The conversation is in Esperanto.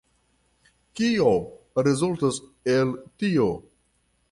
Kio rezultas el tio?